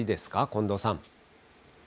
近藤さん。